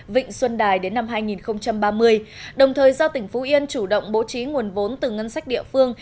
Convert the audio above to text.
vịnh xuân đài đến năm hai nghìn ba mươi đồng thời giao tỉnh phú yên chủ động bố trí nguồn vốn từ ngân sách địa phương